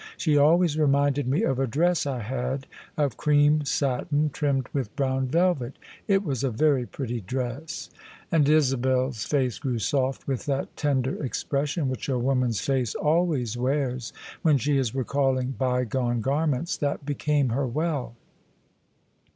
She always reminded me of a dress I had of cream satin trimmed with brown velvet. It was a very pretty dress! " And Isabel's face grew soft with that tender e3q;)ression which a woman's face always wears when she is recalling bygone garments that became her well.